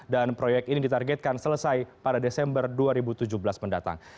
dan proyek ini ditargetkan selesai pada desember dua ribu tujuh belas mendatang